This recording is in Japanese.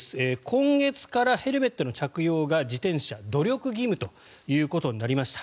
今月からヘルメットの着用が自転車は努力義務ということになりました。